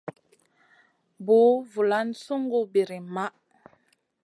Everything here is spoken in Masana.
Bùn vulan sungu birim maʼh.